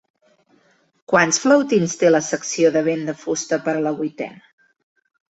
Quants flautins té la secció de vent de fusta per a la Vuitena?